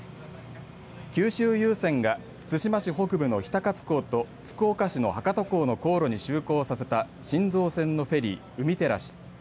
九州郵船が対馬市北部の比田勝港と福岡市の博多港の航路に就航させた新造船のフェリーうみてらし。